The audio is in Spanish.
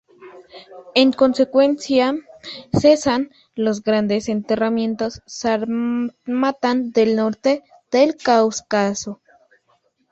En consecuencia cesan los grandes enterramientos sármatas del norte del Cáucaso.